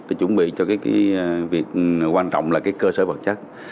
để chuẩn bị cho việc quan trọng là cơ sở quần chất